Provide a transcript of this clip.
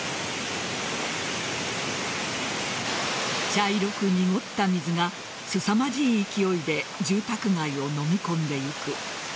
茶色く濁った水がすさまじい勢いで住宅街をのみ込んでいく。